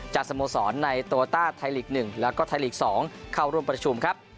สโมสรในโตต้าไทยลีก๑แล้วก็ไทยลีก๒เข้าร่วมประชุมครับ